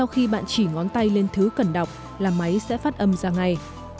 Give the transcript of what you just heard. khi bạn chỉ ngón tay lên thứ cần đọc là máy sẽ phát âm ra ngay